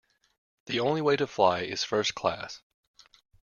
The only way too fly is first class